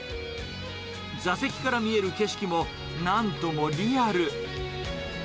座席から見える景色も、なんともリアル。